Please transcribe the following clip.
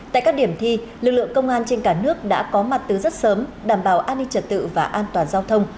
tại các điểm thi lực lượng công an trên cả nước đã có mặt từ rất sớm đảm bảo an ninh trật tự và an toàn giao thông